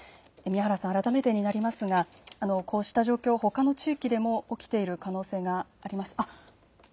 宮原さん、改めてになりますがこうした状況、ほかの地域でも起きている可能性があります。